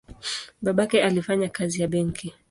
Babake alifanya kazi ya benki.